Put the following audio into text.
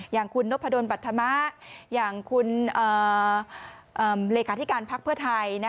อย่างคุณโนภาโดนบัตรธรรมะอย่างคุณเหรกาธิการพักเพื่อไทย